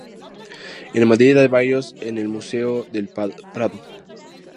En Madrid hay varios en el Museo del Prado.